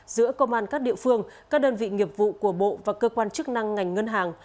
giữa công an các địa phương các đơn vị nghiệp vụ của bộ và cơ quan chức năng ngành ngân hàng